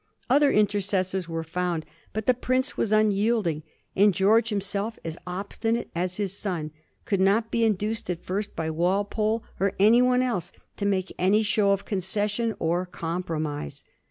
Other intercessors were found, but the prince was unyielding ; and George him self, as obstinate as his son, could not be induced at first by Walpole, or by any one else, to make any show of con cession or compromise.